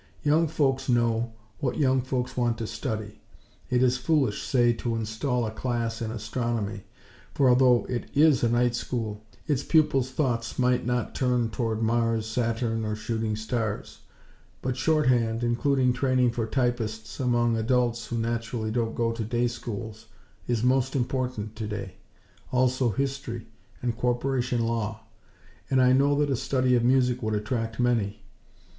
Young folks know what young folks want to study. It is foolish, say, to install a class in Astronomy, for although it is a 'Night School,' its pupils' thoughts might not turn toward Mars, Saturn or shooting stars; but shorthand, including training for typists amongst adults who, naturally don't go to day schools, is most important, today; also History and Corporation Law; and I know that a study of Music would attract many.